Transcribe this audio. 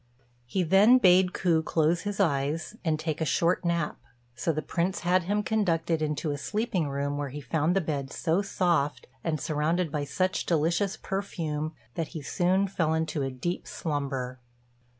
He then bade Ku close his eyes, and take a short nap; so the Prince had him conducted into a sleeping room, where he found the bed so soft, and surrounded by such delicious perfume, that he soon fell into a deep slumber.